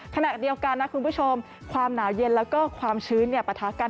ขณะเดียวกันนะคุณผู้ชมความหนาวเย็นแล้วก็ความชื้นปะทะกัน